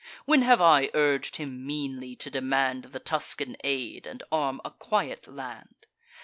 When have I urg'd him meanly to demand The Tuscan aid, and arm a quiet land?